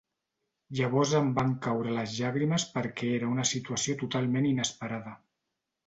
Llavors em van caure les llàgrimes perquè era una situació totalment inesperada.